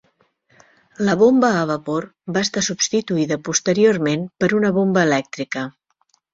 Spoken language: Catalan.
La bomba a vapor va estar substituïda posteriorment per una bomba elèctrica.